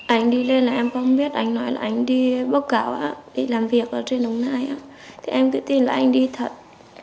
anh đi lên là em không biết anh nói là anh đi bốc gạo á đi làm việc ở trên đồng này á thì em cứ tin là anh đi thật